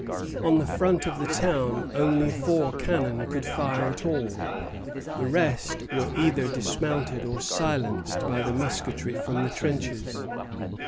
On the front of the town only four cannon could fire at all. The rest were either dismounted or silenced by the musketry from the trenches.